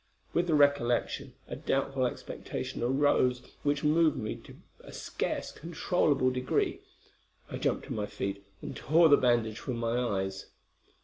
With the recollection, a doubtful expectation arose which moved me to a scarce controllable degree. I jumped to my feet, and tore the bandage from my eyes.